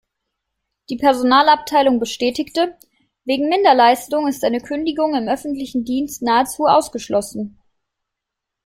Die Personalabteilung bestätigte: Wegen Minderleistung ist eine Kündigung im öffentlichen Dienst nahezu ausgeschlossen.